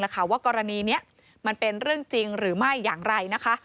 ว่ากรณีนี้มันเป็นเรื่องจริงหรือไม่อย่างไรนะคะ